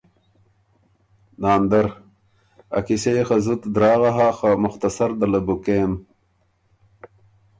ناندر ـــ”ا قیصۀ يې خه زُت دراغه هۀ خه مختصر ده له بو کېم“